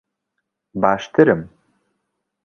باشترم.